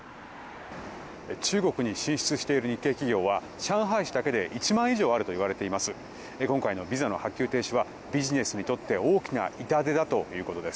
中国に進出している日系企業は上海市だけで１万以上あるといわれています。